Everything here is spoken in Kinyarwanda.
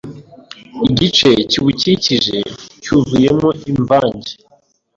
igice kiwukikije cyuzuyemo imvange